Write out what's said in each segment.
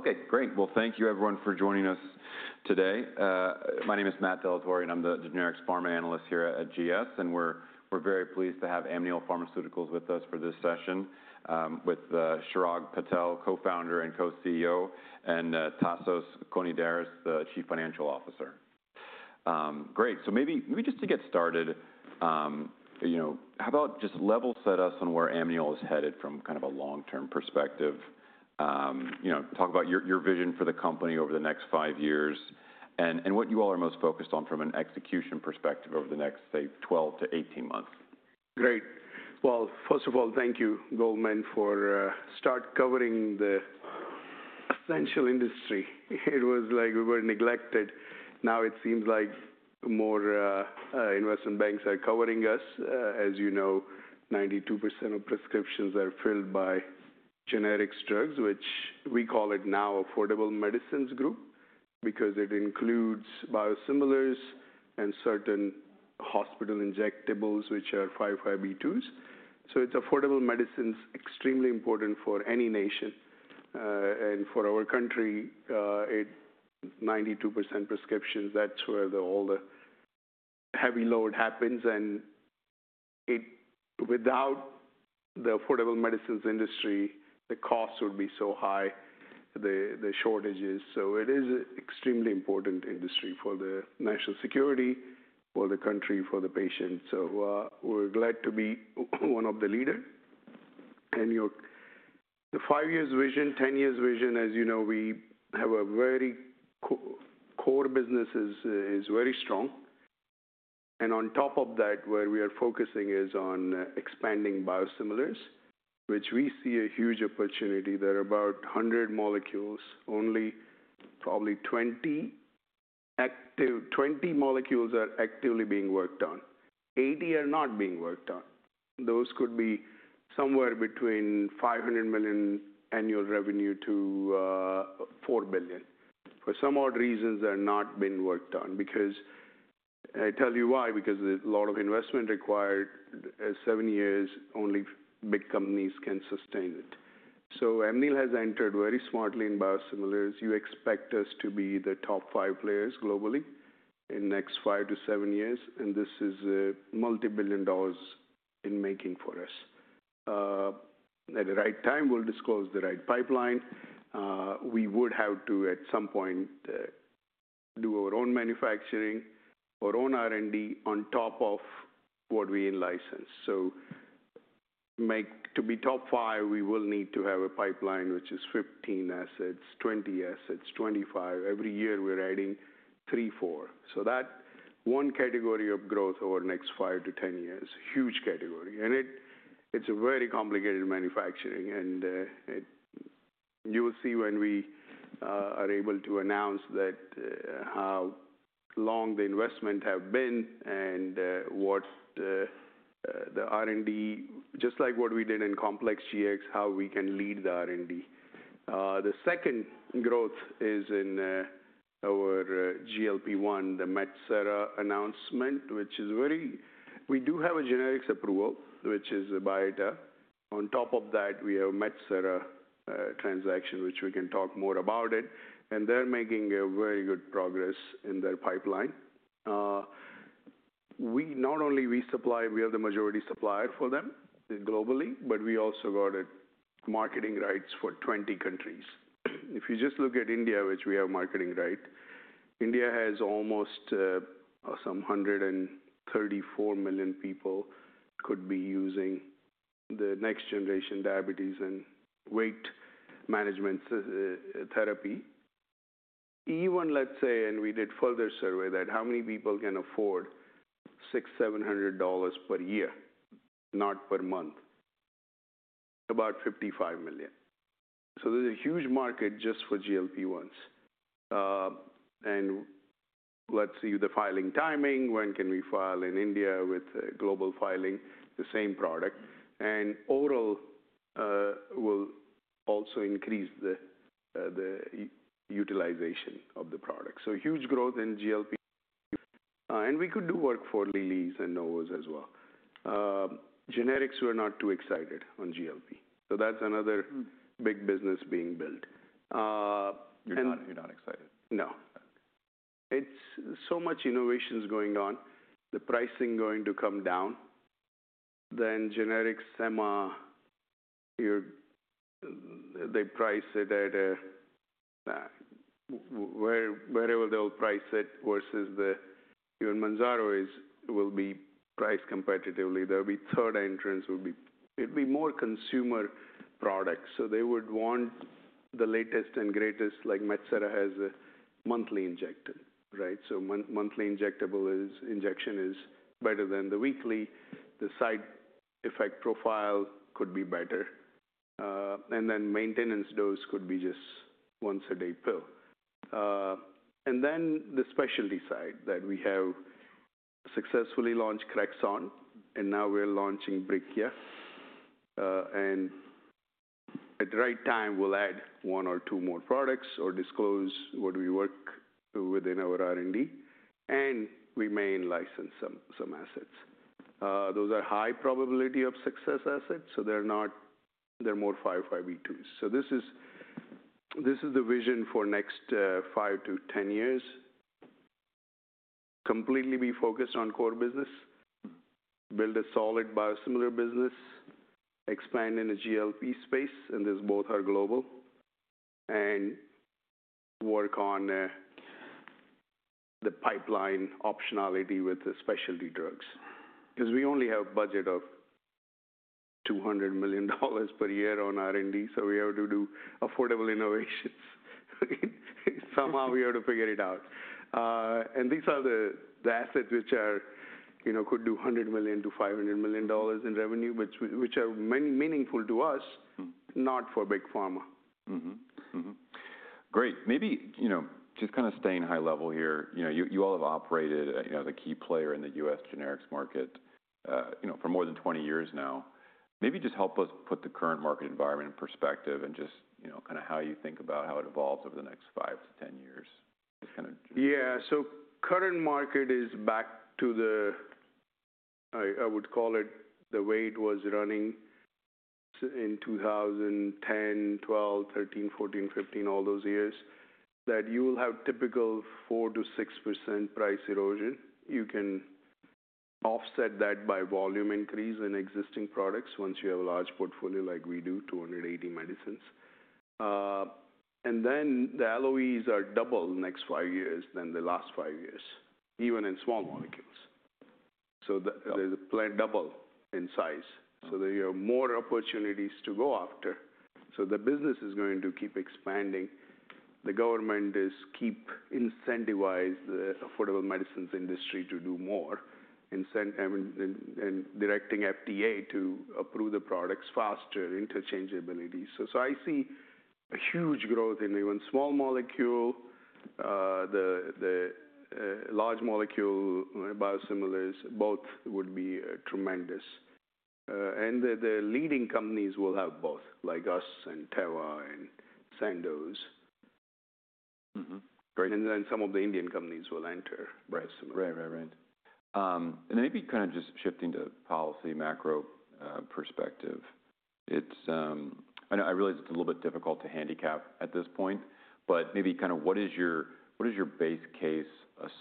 Okay, great. Thank you, everyone, for joining us today. My name is Matt Dellatorre, and I'm the Generics Pharma Analyst here at GS. We're very pleased to have Amneal Pharmaceuticals with us for this session with Chirag Patel, Co-Founder and Co-CEO, and Tasos Konidaris, the Chief Financial Officer. Great. Maybe just to get started, how about just level set us on where Amneal is headed from kind of a long-term perspective? Talk about your vision for the company over the next five years and what you all are most focused on from an execution perspective over the next, say, 12 to 18 months. Great. First of all, thank you, Goldman, for starting covering the essential industry. It was like we were neglected. Now it seems like more investment banks are covering us. As you know, 92% of prescriptions are filled by generic drugs, which we call it now Affordable Medicines Group because it includes biosimilars and certain hospital injectables, which are 505(b)(2)s. It is Affordable Medicines, extremely important for any nation. For our country, 92% prescriptions, that's where all the heavy load happens. Without the Affordable Medicines industry, the costs would be so high, the shortages. It is an extremely important industry for the national security, for the country, for the patients. We're glad to be one of the leaders. The five-year vision, 10-year vision, as you know, we have a very core business that is very strong. Where we are focusing is on expanding biosimilars, which we see a huge opportunity. There are about 100 molecules, only probably 20 molecules are actively being worked on. 80 are not being worked on. Those could be somewhere between $500 million annual revenue to $4 billion. For some odd reasons, they're not being worked on. I tell you why, because a lot of investment is required. Seven years, only big companies can sustain it. Amneal has entered very smartly in biosimilars. You expect us to be the top five players globally in the next five to seven years. This is multibillion dollars in making for us. At the right time, we'll disclose the right pipeline. We would have to, at some point, do our own manufacturing, our own R&D on top of what we license. To be top five, we will need to have a pipeline, which is 15 assets, 20 assets, 25. Every year, we're adding three, four. That is one category of growth over the next five to 10 years, huge category. It is a very complicated manufacturing. You will see when we are able to announce how long the investments have been and what the R&D, just like what we did in Complex GX, how we can lead the R&D. The second growth is in our GLP-1, the Metsera announcement, which is very—we do have a generics approval, which is a Biotech. On top of that, we have a Metsera transaction, which we can talk more about. They are making very good progress in their pipeline. Not only do we supply, we are the majority supplier for them globally, but we also got marketing rights for 20 countries. If you just look at India, which we have marketing rights, India has almost 134 million people who could be using the next-generation diabetes and weight management therapy. Even, let's say, and we did further survey that how many people can afford $600, $700 per year, not per month, about 55 million. There is a huge market just for GLP-1s. Let's see the filing timing. When can we file in India with global filing the same product? Oral will also increase the utilization of the product. Huge growth in GLP. We could do work for Lilly's and Novo's as well. Generics, we're not too excited on GLP. That is another big business being built. You're not excited? No. It's so much innovation going on. The pricing is going to come down. Then generics, Emma, they price it at wherever they'll price it versus the—even Mounjaro will be priced competitively. There'll be third entrants. It'll be more consumer products. They would want the latest and greatest, like Metsera has a monthly injector, right? Monthly injection is better than the weekly. The side effect profile could be better. Maintenance dose could be just once-a-day pill. The specialty side that we have successfully launched Crexont, and now we're launching Brekiya. At the right time, we'll add one or two more products or disclose what we work within our R&D. We may license some assets. Those are high probability of success assets, so they're more 505(b)(2)s. This is the vision for the next 5 to 10 years. Completely be focused on core business, build a solid biosimilar business, expand in the GLP-1 space, and this both are global, and work on the pipeline optionality with the specialty drugs. Because we only have a budget of $200 million per year on R&D, we have to do affordable innovations. Somehow, we have to figure it out. These are the assets which could do $100 million-$500 million in revenue, which are meaningful to us, not for Big Pharma. Great. Maybe just kind of staying high level here, you all have operated as a key player in the U.S. generics market for more than 20 years now. Maybe just help us put the current market environment in perspective and just kind of how you think about how it evolves over the next five to 10 years. Yeah. So the current market is back to the—I would call it the way it was running in 2010, 2012, 2013, 2014, 2015, all those years, that you will have typical 4%-6% price erosion. You can offset that by volume increase in existing products once you have a large portfolio like we do, 280 medicines. And then the LOEs are double next five years than the last five years, even in small molecules. So there is a double in size. So there are more opportunities to go after. So the business is going to keep expanding. The government is keeping incentivizing the affordable medicines industry to do more and directing FDA to approve the products faster, interchangeability. So I see a huge growth in even small molecule, the large molecule biosimilars, both would be tremendous. And the leading companies will have both, like us and Teva and Sandoz. Some of the Indian companies will enter biosimilars. Right. Right. Right. Maybe kind of just shifting to policy macro perspective, I realize it's a little bit difficult to handicap at this point, but maybe kind of what is your base case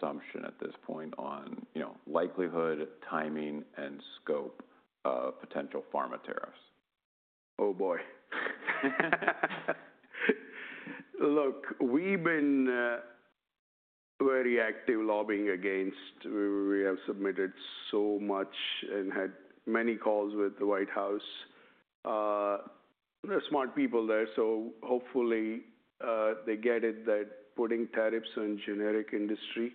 assumption at this point on likelihood, timing, and scope of potential pharma tariffs? Oh, boy. Look, we've been very active lobbying against. We have submitted so much and had many calls with the White House. There are smart people there. Hopefully, they get it that putting tariffs on generic industry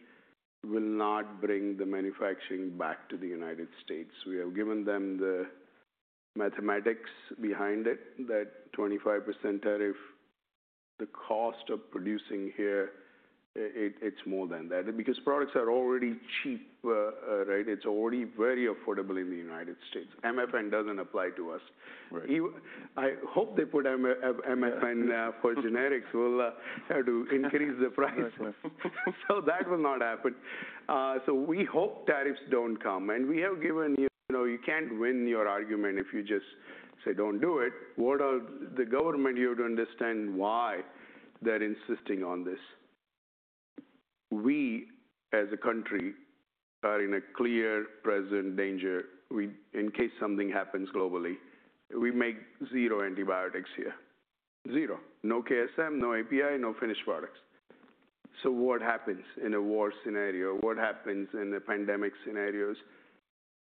will not bring the manufacturing back to the United States. We have given them the mathematics behind it, that 25% tariff, the cost of producing here, it's more than that. Because products are already cheap, right? It's already very affordable in the United States. MFN doesn't apply to us. I hope they put MFN for generics. We'll have to increase the price. That will not happen. We hope tariffs don't come. We have given you can't win your argument if you just say, "Don't do it." The government, you have to understand why they're insisting on this. We, as a country, are in a clear present danger. In case something happens globally, we make zero antibiotics here. Zero. No KSM, no API, no finished products. What happens in a war scenario? What happens in the pandemic scenarios?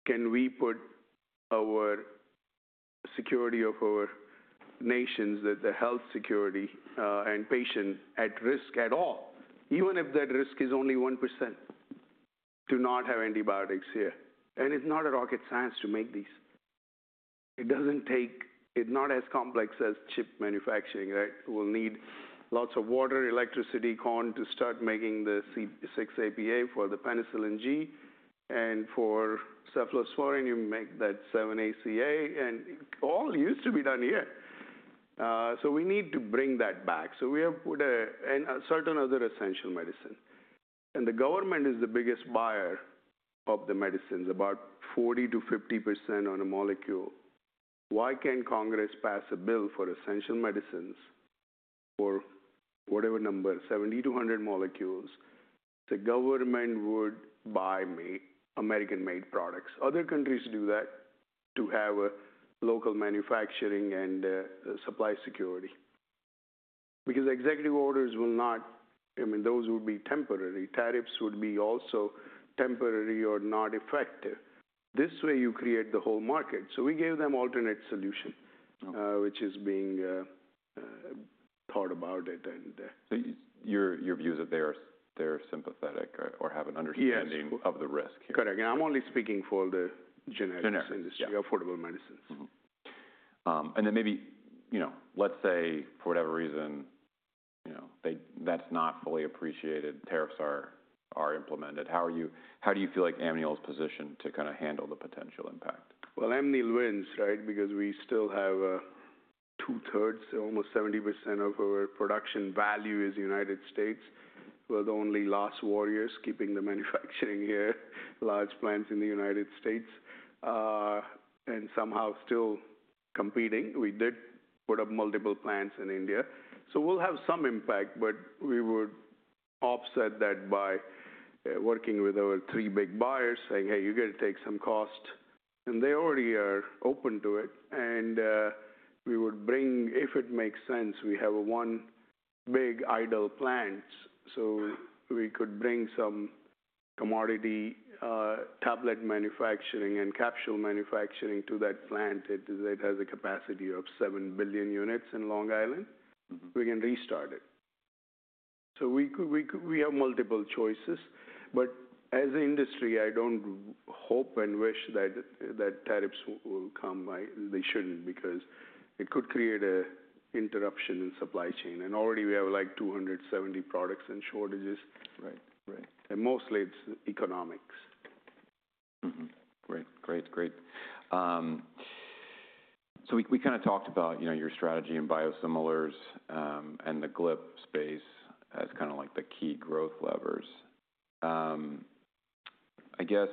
Can we put our security of our nations, the health security and patient at risk at all, even if that risk is only 1%, to not have antibiotics here? It is not rocket science to make these. It is not as complex as chip manufacturing, right? We will need lots of water, electricity, corn to start making the 6-APA for the Penicillin G. For cephalosporin, you make that 7-ACA. It all used to be done here. We need to bring that back. We have put a certain other essential medicine. The government is the biggest buyer of the medicines, about 40%-50% on a molecule. Why can't Congress pass a bill for essential medicines for whatever number, 70 to 100 molecules, the government would buy American-made products? Other countries do that to have local manufacturing and supply security. Because executive orders will not—I mean, those would be temporary. Tariffs would be also temporary or not effective. This way, you create the whole market. So we gave them an alternate solution, which is being thought about. Your views that they're sympathetic or have an understanding of the risk here. Yes. Correct. I'm only speaking for the generics industry, Affordable Medicines. Maybe, let's say, for whatever reason, that's not fully appreciated, tariffs are implemented. How do you feel like Amneal's position to kind of handle the potential impact? Amneal wins, right? Because we still have 2/3, almost 70% of our production value is the United States. We're the only last warriors keeping the manufacturing here, large plants in the United States, and somehow still competing. We did put up multiple plants in India. We'll have some impact, but we would offset that by working with our three big buyers, saying, "Hey, you've got to take some cost." They already are open to it. We would bring, if it makes sense, we have one big idle plant. We could bring some commodity tablet manufacturing and capsule manufacturing to that plant. It has a capacity of 7 billion units in Long Island. We can restart it. We have multiple choices. As an industry, I don't hope and wish that tariffs will come. They shouldn't because it could create an interruption in the supply chain. Already, we have like 270 products in shortages. Mostly, it's economics. Great. Great. So we kind of talked about your strategy in biosimilars and the GLP space as kind of like the key growth levers. I guess,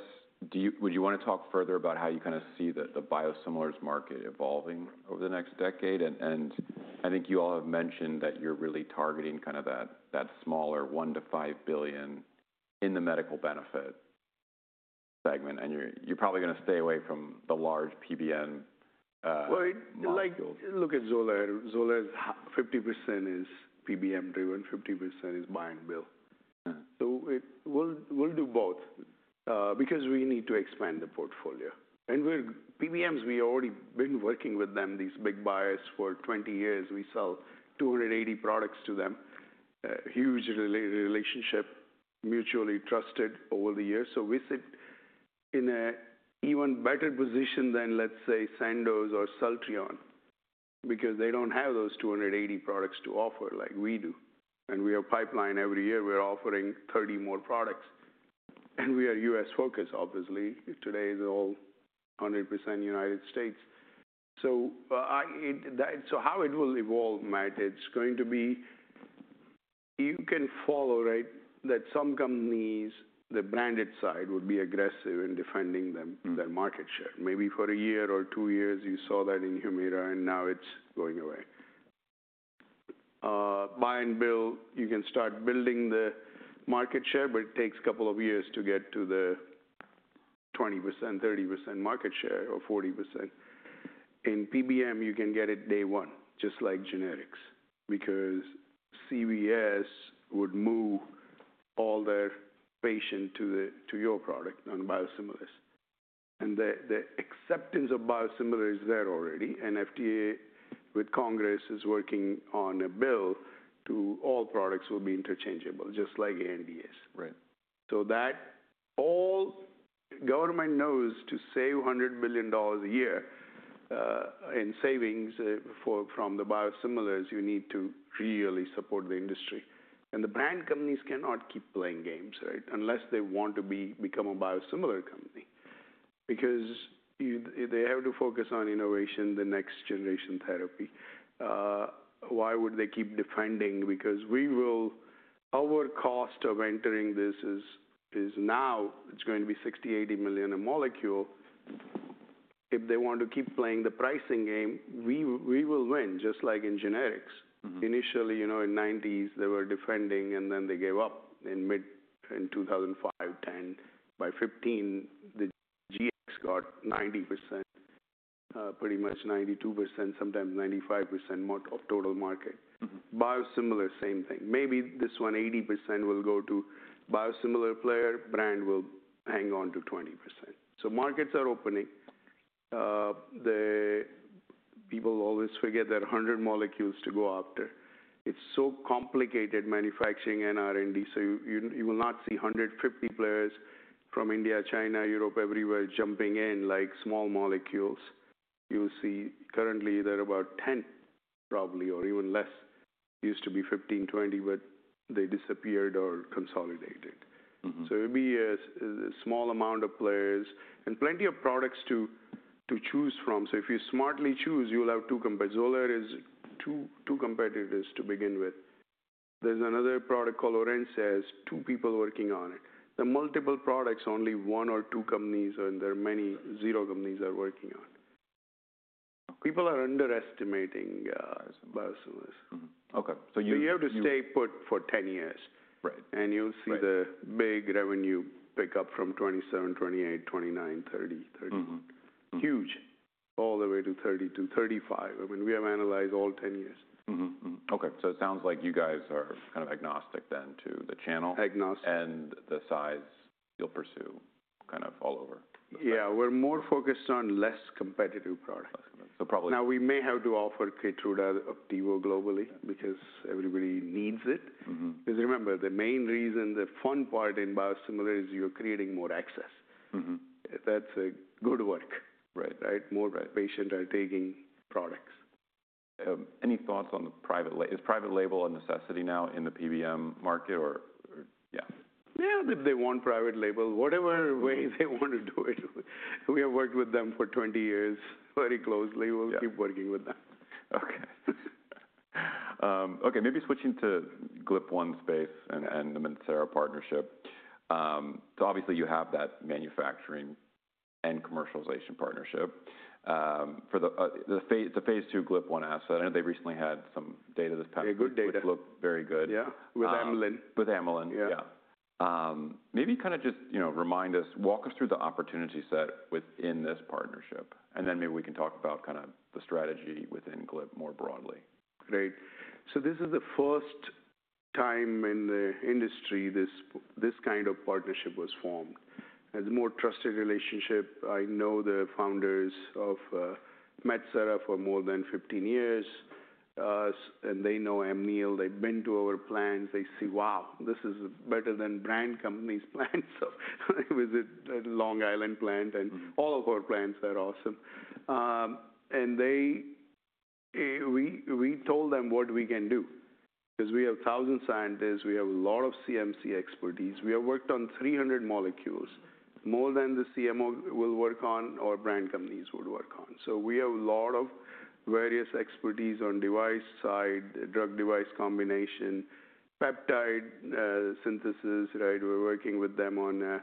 would you want to talk further about how you kind of see the biosimilars market evolving over the next decade? I think you all have mentioned that you're really targeting kind of that smaller $1 billion-$5 billion in the medical benefit segment. You're probably going to stay away from the large PBM molecules. Look at Zoladex. Zoladex's 50% is PBM-driven, 50% is buy and bill. We'll do both because we need to expand the portfolio. PBMs, we've already been working with them, these big buyers, for 20 years. We sell 280 products to them. Huge relationship, mutually trusted over the years. We sit in an even better position than, let's say, Sandoz or Celltrion because they do not have those 280 products to offer like we do. We have a pipeline every year. We're offering 30 more products. We are U.S. focused, obviously. Today, it's all 100% United States. How it will evolve, Matt, it's going to be, you can follow, right, that some companies, the branded side, would be aggressive in defending their market share. Maybe for a year or two years, you saw that in HUMIRA, and now it's going away. Buy and bill, you can start building the market share, but it takes a couple of years to get to the 20%, 30% market share or 40%. In PBM, you can get it day one, just like generics, because CVS would move all their patient to your product on biosimilars. The acceptance of biosimilars is there already. FDA with Congress is working on a bill so all products will be interchangeable, just like ANDA. That way all government knows to save $100 million a year in savings from the biosimilars, you need to really support the industry. The brand companies cannot keep playing games, right, unless they want to become a biosimilar company. They have to focus on innovation, the next generation therapy. Why would they keep defending? Because our cost of entering this is now it's going to be $60 million-$80 million a molecule. If they want to keep playing the pricing game, we will win, just like in generics. Initially, in the 1990s, they were defending, and then they gave up in 2005, 2010. By 2015, the GX got 90%, pretty much 92%, sometimes 95% of total market. Biosimilars, same thing. Maybe this one 80% will go to biosimilar player. Brand will hang on to 20%. Markets are opening. People always forget there are 100 molecules to go after. It's so complicated manufacturing and R&D. You will not see 150 players from India, China, Europe, everywhere jumping in like small molecules. You'll see currently there are about 10, probably, or even less. Used to be 15, 20, but they disappeared or consolidated. It'll be a small amount of players and plenty of products to choose from. If you smartly choose, you'll have two competitors, two competitors to begin with. There's another product called Orencia, two people working on it. The multiple products, only one or two companies or there are many, zero companies are working on. People are underestimating biosimilars. Okay. So you'll. You have to stay put for 10 years. You'll see the big revenue pickup from 2027, 2028, 2029, 2030, 2031. Huge, all the way to 2032, 2035. I mean, we have analyzed all 10 years. Okay. So it sounds like you guys are kind of agnostic then to the channel. Agnostic. The size you'll pursue kind of all over the product. Yeah. We're more focused on less competitive products. Less competitive. So probably. Now, we may have to offer Keytruda, Opdivo globally because everybody needs it. Because remember, the main reason, the fun part in biosimilars is you're creating more access. That's good work, right? More patients are taking products. Any thoughts on the private label? Is private label a necessity now in the PBM market, or yeah? Yeah. They want private label. Whatever way they want to do it. We have worked with them for 20 years very closely. We'll keep working with them. Okay. Okay. Maybe switching to GLP-1 space and the Metsera partnership. So obviously, you have that manufacturing and commercialization partnership. It's a phase II GLP-1 asset. I know they recently had some data this past week. They have good data. Which looked very good. Yeah. With Amneal. With Amneal. Yeah. Maybe kind of just remind us, walk us through the opportunity set within this partnership. Then maybe we can talk about kind of the strategy within GLP more broadly. Great. This is the first time in the industry this kind of partnership was formed. It's a more trusted relationship. I know the founders of Metsera for more than 15 years. They know Amneal. They've been to our plants. They see, wow, this is better than brand companies' plants. Visit the Long Island plant, and all of our plants are awesome. We told them what we can do. We have 1,000 scientists. We have a lot of CMC expertise. We have worked on 300 molecules, more than the CMO will work on or brand companies would work on. We have a lot of various expertise on device side, drug-device combination, peptide synthesis, right? We're working with them on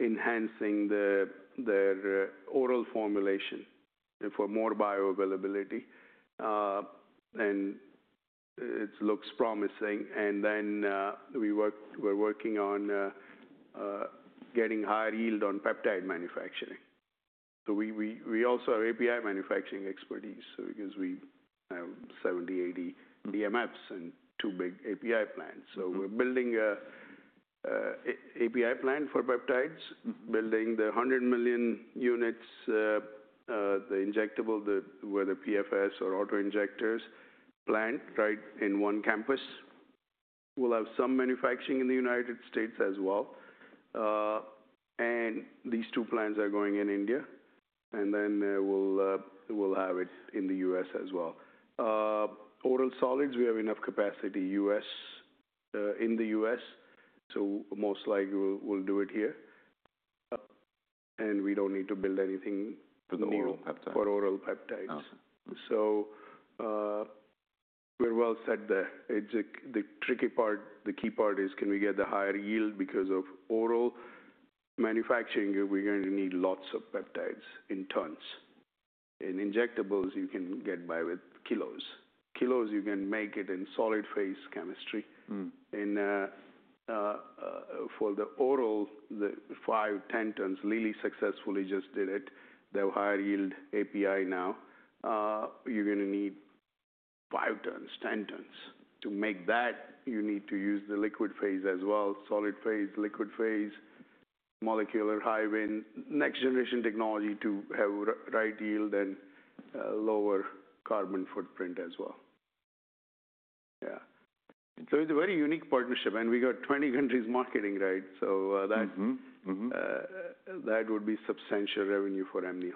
enhancing their oral formulation for more bioavailability. It looks promising. We're working on getting higher yield on peptide manufacturing. We also have API manufacturing expertise because we have 70, 80 DMFs and two big API plants. We're building an API plant for peptides, building the 100 million units, the injectable, whether PFS or auto injectors plant, right, in one campus. We'll have some manufacturing in the United States as well. These two plants are going in India. Then we'll have it in the U.S. as well. Oral solids, we have enough capacity in the U.S. Most likely, we'll do it here. We do not need to build anything new. For the oral peptides. For oral peptides. So we're well set there. The tricky part, the key part is can we get the higher yield because of oral manufacturing, we're going to need lots of peptides in tons. In injectables, you can get by with kilos. Kilos, you can make it in solid phase chemistry. And for the oral, the five, 10 tons, Lilly successfully just did it. They have higher yield API now. You're going to need five tons, 10 tons. To make that, you need to use the liquid phase as well, solid phase, liquid phase, molecular, high wind, next generation technology to have right yield and lower carbon footprint as well. Yeah. So it's a very unique partnership. And we got 20 countries marketing, right? So that would be substantial revenue for Amneal.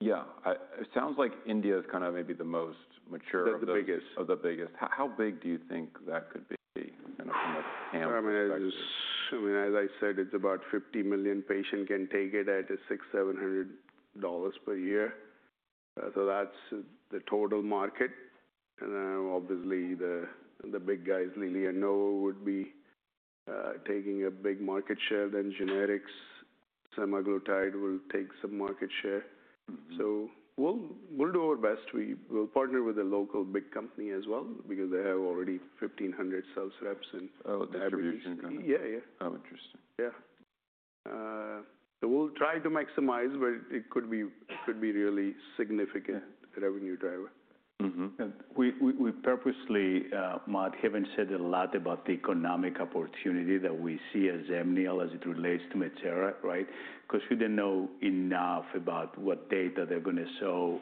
Yeah. It sounds like India is kind of maybe the most mature of the. That's the biggest. Of the biggest. How big do you think that could be kind of from an Amneal perspective? I mean, as I said, it's about 50 million patients can take it at a $600-$700 per year. That's the total market. Obviously, the big guys, Lilly and Novo, would be taking a big market share. Then generics, semaglutide will take some market share. We'll do our best. We'll partner with a local big company as well because they have already 1,500 sales reps. Oh, distribution company. Yeah, yeah. Oh, interesting. Yeah. We'll try to maximize, but it could be really significant revenue driver. We purposely, Matt, have not said a lot about the economic opportunity that we see as Amneal as it relates to Metsera, right? Because we did not know enough about what data they are going to show.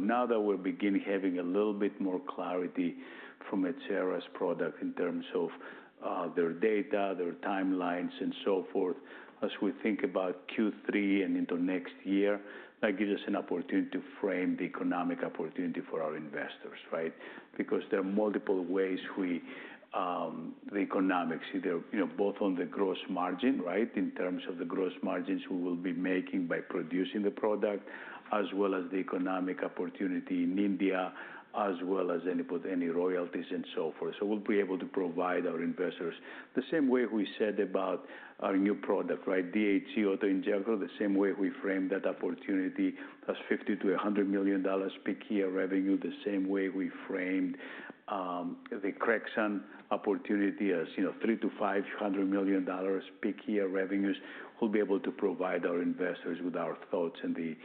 Now that we are beginning to have a little bit more clarity from Metsera's product in terms of their data, their timelines, and so forth, as we think about Q3 and into next year, that gives us an opportunity to frame the economic opportunity for our investors, right? There are multiple ways we see the economics, either both on the gross margin, in terms of the gross margins we will be making by producing the product, as well as the economic opportunity in India, as well as any royalties and so forth. We will be able to provide our investors the same way we said about our new product, right? DHC auto injector, the same way we framed that opportunity as $50-$100 million peak year revenue, the same way we framed the Crexont opportunity as $300-$500 million peak year revenues. We'll be able to provide our investors with our thoughts and the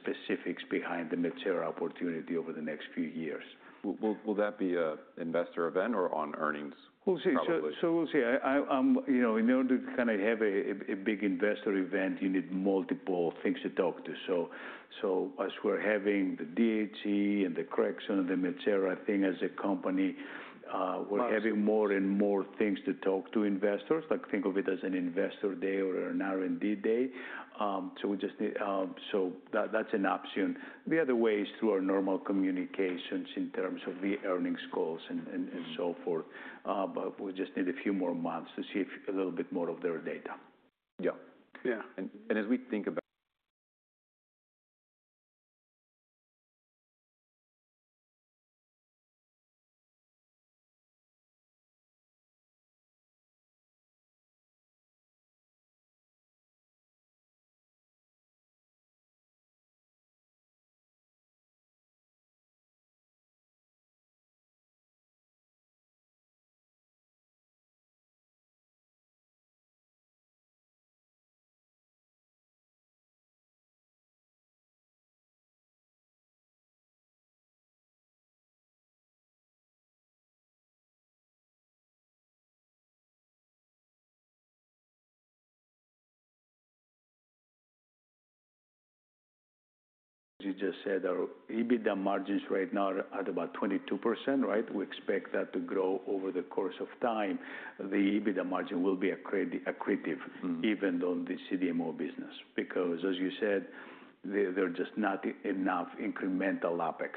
specifics behind the Metsera opportunity over the next few years. Will that be an investor event or on earnings probably? We'll see. In order to kind of have a big investor event, you need multiple things to talk to. As we're having the DHC and the Crexont and the Metsera thing as a company, we're having more and more things to talk to investors. Think of it as an investor day or an R&D day. That's an option. The other way is through our normal communications in terms of the earnings goals and so forth. We just need a few more months to see a little bit more of their data. Yeah. As we think about. As you just said, our EBITDA margins right now are at about 22%, right? We expect that to grow over the course of time. The EBITDA margin will be accretive even on the CDMO business. Because as you said, there are just not enough incremental CapEx.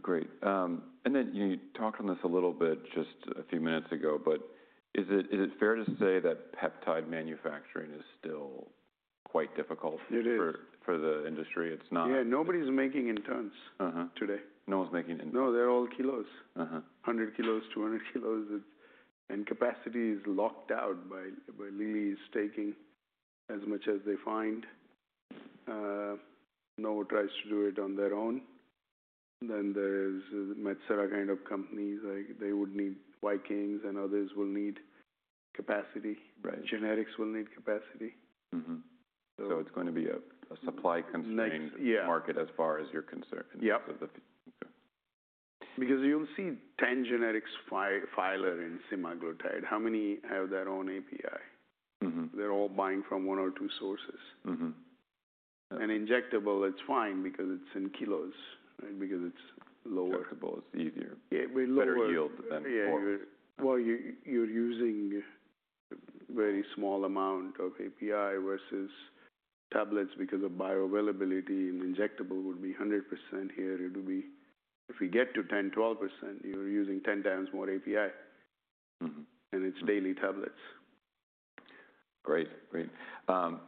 Great. You talked on this a little bit just a few minutes ago, but is it fair to say that peptide manufacturing is still quite difficult for the industry? It's not. Yeah. Nobody's making in tons today. No one's making in tons. No. They're all kilos. 100 kilos, 200 kilos. Capacity is locked out by Lilly's taking as much as they find. Novo tries to do it on their own. Then there's Metsera kind of companies. They would need Vikings, and others will need capacity. Generics will need capacity. It's going to be a supply constrained market as far as you're concerned. Yeah. Because you'll see 10 generics filer in semaglutide. How many have their own API? They're all buying from one or two sources. And injectable, it's fine because it's in kilos, right? Because it's lower. Injectable is easier. Better yield than orals. You're using a very small amount of API versus tablets because of bioavailability. An injectable would be 100% here. If we get to 10%-12%, you're using 10x more API. And it's daily tablets. Great. Great.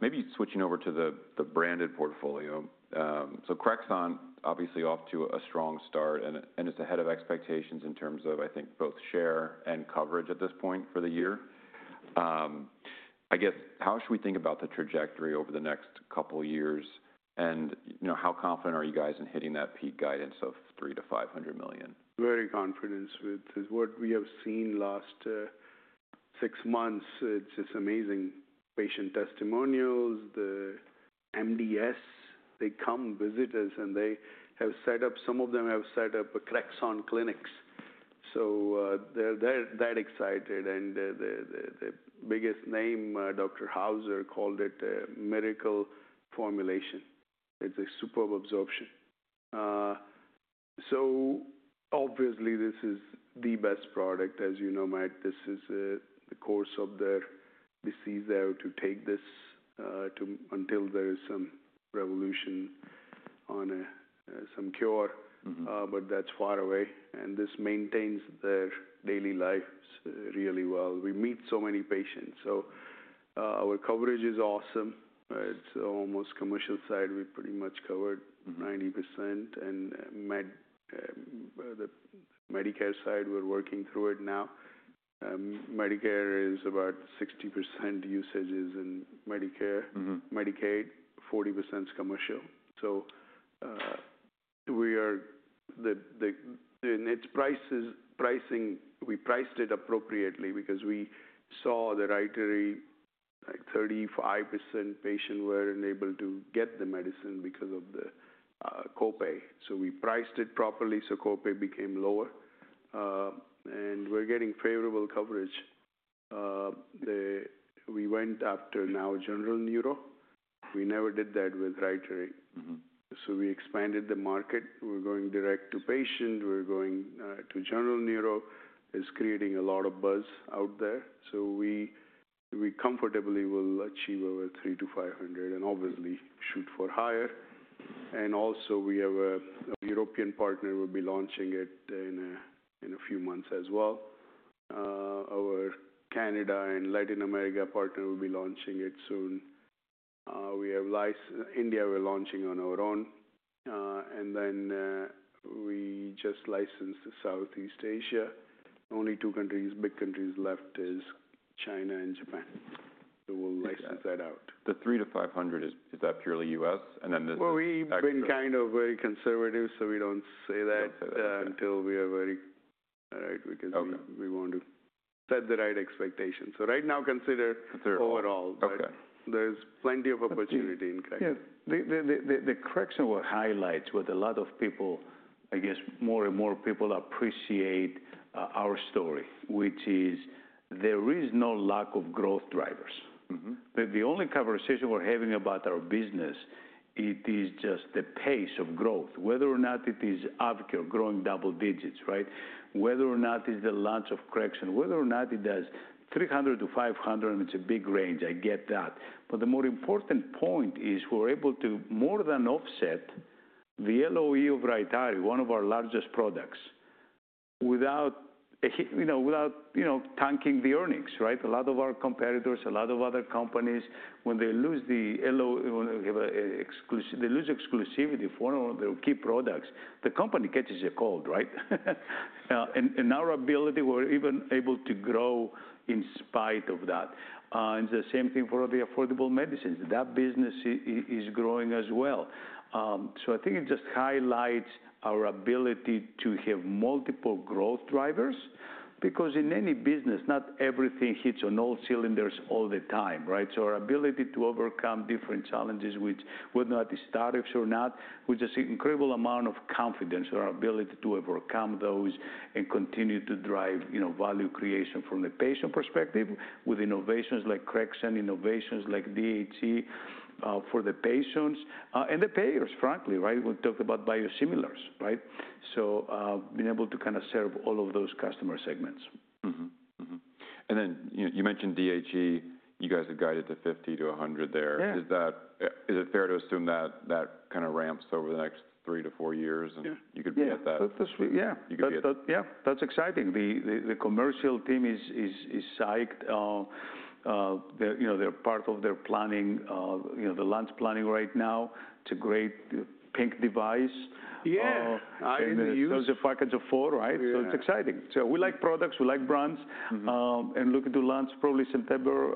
Maybe switching over to the branded portfolio. Crexont, obviously, off to a strong start. It is ahead of expectations in terms of, I think, both share and coverage at this point for the year. I guess, how should we think about the trajectory over the next couple of years? How confident are you guys in hitting that peak guidance of $300 million-$500 million? Very confident. With what we have seen last six months, it's just amazing patient testimonials. The MDS, they come visit us, and they have set up, some of them have set up, Crexont clinics. They are that excited. The biggest name, Dr. Hauser, called it a miracle formulation. It's a superb absorption. Obviously, this is the best product. As you know, Matt, this is the course of their disease, they are to take this until there is some revolution on some cure. That is far away. This maintains their daily lives really well. We meet so many patients. Our coverage is awesome. It's almost commercial side. We pretty much covered 90%. Medicare side, we're working through it now. Medicare is about 60% usages in Medicare. Medicaid, 40% is commercial. We are in its pricing. We priced it appropriately because we saw the right 35% patient were unable to get the medicine because of the copay. We priced it properly. Copay became lower. We're getting favorable coverage. We went after now general neuro. We never did that with Rytary. We expanded the market. We're going direct to patient. We're going to general neuro. It's creating a lot of buzz out there. We comfortably will achieve over 300 to 500 and obviously shoot for higher. We have a European partner who will be launching it in a few months as well. Our Canada and Latin America partner will be launching it soon. We have India we're launching on our own. We just licensed Southeast Asia. Only two big countries left are China and Japan. We'll license that out. The 300 to 500, is that purely U.S? And then the. We've been kind of very conservative, so we don't say that until we are very. Right? Because we want to set the right expectations. So right now, consider overall. There's plenty of opportunity in Crexont. Yeah. The Crexont highlights what a lot of people, I guess more and more people appreciate our story, which is there is no lack of growth drivers. The only conversation we're having about our business, it is just the pace of growth. Whether or not it is AvKARE growing double digits, right? Whether or not it's the launch of Crexont, whether or not it does 300 to 500, it's a big range. I get that. The more important point is we're able to more than offset the LOE of Rytary, one of our largest products, without tanking the earnings, right? A lot of our competitors, a lot of other companies, when they lose the LOE, they lose exclusivity for one of their key products, the company catches a cold, right? Our ability, we're even able to grow in spite of that. It's the same thing for the affordable medicines. That business is growing as well. I think it just highlights our ability to have multiple growth drivers. Because in any business, not everything hits on all cylinders all the time, right? Our ability to overcome different challenges, whether or not it's startups or not, with just an incredible amount of confidence, our ability to overcome those and continue to drive value creation from the patient perspective with innovations like Crexont, innovations like DHC for the patients. And the payers, frankly, right? We talked about biosimilars, right? Being able to kind of serve all of those customer segments. You mentioned DHC. You guys have guided to 50 to 100 there. Is it fair to assume that that kind of ramps over the next three to four years? And you could be at that. Yeah. Yeah. That's exciting. The commercial team is psyched. They're part of their planning, the launch planning right now. It's a great pink device. Yeah. I mean, those are packets of four, right? It is exciting. We like products. We like brands. Looking to launch probably September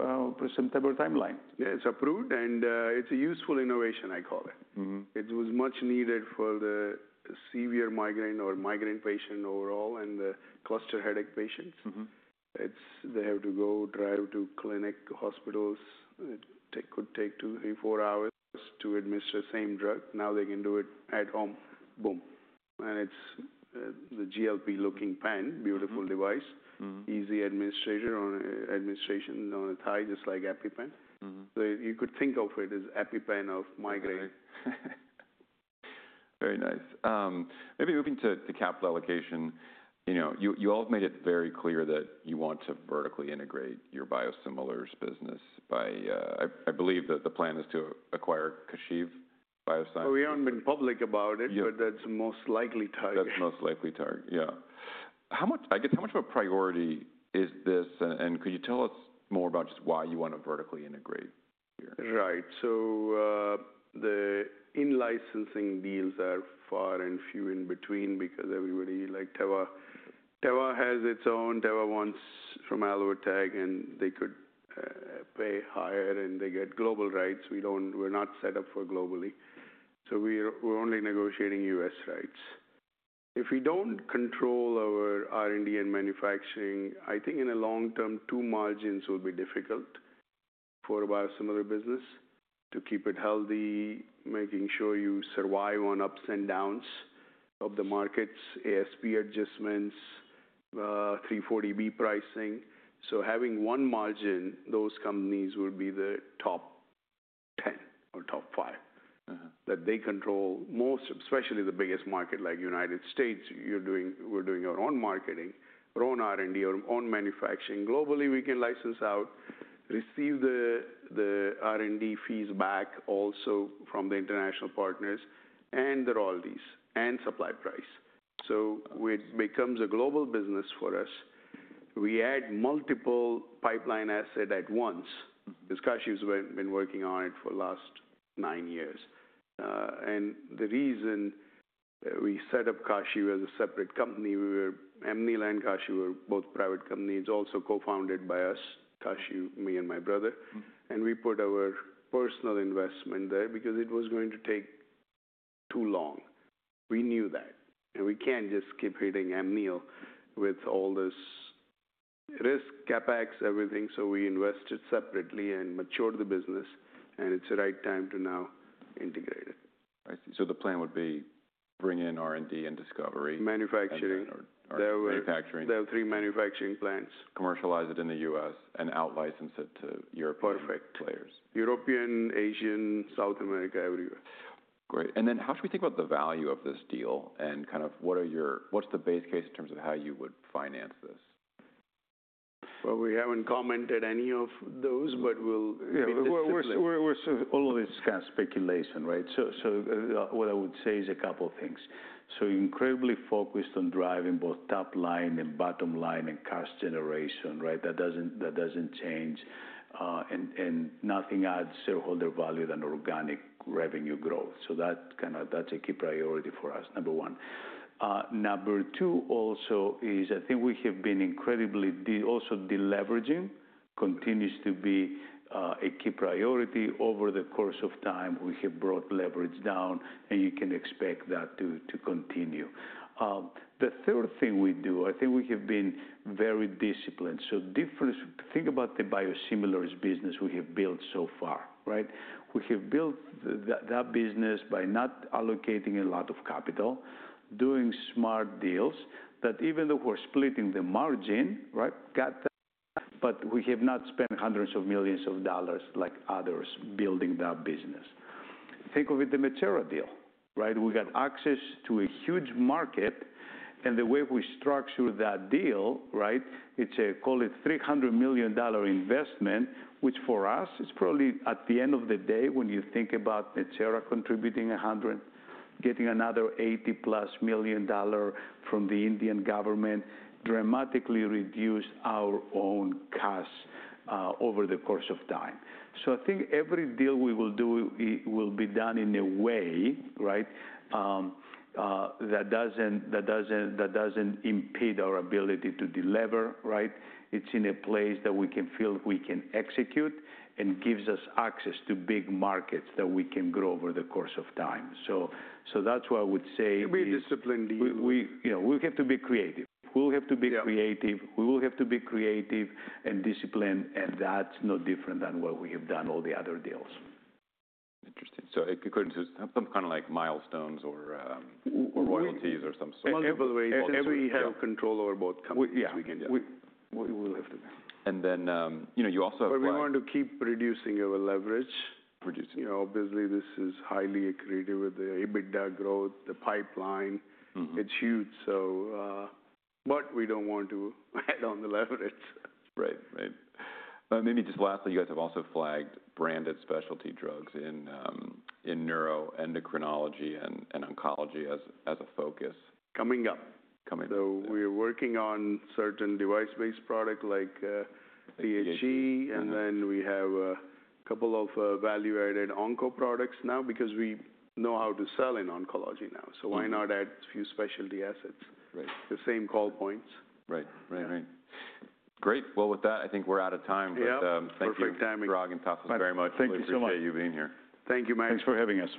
timeline. Yeah. It's approved. And it's a useful innovation, I call it. It was much needed for the severe migraine or migraine patient overall and the cluster headache patients. They have to go drive to clinic, hospitals. It could take two, three, four hours to administer the same drug. Now they can do it at home. Boom. And it's the GLP-looking pen, beautiful device, easy administration on a thigh, just like EpiPen. So you could think of it as EpiPen of migraine. Very nice. Maybe moving to capital allocation. You all have made it very clear that you want to vertically integrate your biosimilars business. I believe that the plan is to acquire Kashiv BioSciences. We haven't been public about it, but that's most likely target. That's most likely target. Yeah. I guess how much of a priority is this? Could you tell us more about just why you want to vertically integrate here? Right. The in-licensing deals are far and few in between because everybody like Teva has its own. Teva wants from Alvotech, and they could pay higher, and they get global rights. We're not set up for globally. We're only negotiating U.S. rights. If we don't control our R&D and manufacturing, I think in the long term, two margins will be difficult for a biosimilar business to keep it healthy, making sure you survive on ups and downs of the markets, ASP adjustments, 340B pricing. Having one margin, those companies will be the top 10 or top five that they control most, especially the biggest market like United States. We're doing our own marketing, our own R&D, our own manufacturing. Globally, we can license out, receive the R&D fees back also from the international partners and the royalties and supply price. It becomes a global business for us. We add multiple pipeline assets at once. Kashiv has been working on it for the last nine years. The reason we set up Kashiv as a separate company, we were Amneal and Kashiv were both private companies. Also co-founded by us, Kashiv, me and my brother. We put our personal investment there because it was going to take too long. We knew that. We can't just keep hitting Amneal with all this risk, CapEx, everything. We invested separately and matured the business. It's the right time to now integrate it. I see. So the plan would be bring in R&D and discovery. Manufacturing. Manufacturing. There are three manufacturing plants. Commercialize it in the U.S. and out-license it to European players. Perfect. European, Asian, South America, everywhere. Great. How should we think about the value of this deal? And kind of what's the base case in terms of how you would finance this? We haven't commented any of those, but we'll be discussing. All of this is kind of speculation, right? What I would say is a couple of things. Incredibly focused on driving both top line and bottom line and cost generation, right? That does not change. Nothing adds shareholder value than organic revenue growth. That is a key priority for us, number one. Number two also is I think we have been incredibly also deleveraging continues to be a key priority over the course of time. We have brought leverage down, and you can expect that to continue. The third thing we do, I think we have been very disciplined. Think about the biosimilars business we have built so far, right? We have built that business by not allocating a lot of capital, doing smart deals that even though we are splitting the margin, right? Got. We have not spent hundreds of millions of dollars like others building that business. Think of it, the Metsera deal, right? We got access to a huge market. The way we structure that deal, right? It is a, call it $300 million investment, which for us, it is probably at the end of the day when you think about Metsera contributing 100, getting another $80+ million from the Indian government dramatically reduced our own costs over the course of time. I think every deal we will do will be done in a way, right, that does not impede our ability to deliver, right? It is in a place that we can feel we can execute and gives us access to big markets that we can grow over the course of time. That is why I would say. Be disciplined. We have to be creative. We will have to be creative and disciplined. That's no different than what we have done all the other deals. Interesting. It could include some kind of milestones or royalties or some sort of. Everybody has control over both companies. Yeah. We will have to. You also have. We want to keep reducing our leverage. Obviously, this is highly accretive with the EBITDA growth, the pipeline. It is huge. We do not want to add on the leverage. Right. Right. Maybe just lastly, you guys have also flagged branded specialty drugs in neuroendocrinology and oncology as a focus. Coming up. Coming up. We're working on certain device-based products like DHC. And then we have a couple of value-added onco products now because we know how to sell in Oncology now. So why not add a few specialty assets? The same call points. Right. Great. With that, I think we're out of time. Thank you, Chirag and Tasos, very much. Thank you so much. Appreciate you being here. Thank you, Matt. Thanks for having us.